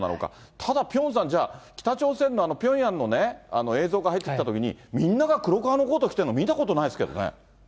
ただピョンさん、じゃあ、北朝鮮のあのピョンヤンのね、映像が入ってきたときに、みんなが黒革のコート着てるの見たことないですけどね。